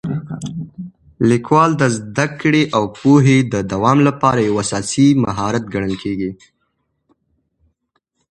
لیکوالی د زده کړې او پوهې د دوام لپاره یو اساسي مهارت ګڼل کېږي.